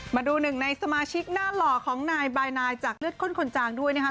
มาดูหนึ่งในสมาชิกหน้าหล่อของนายบายนายจากเลือดข้นคนจางด้วยนะครับ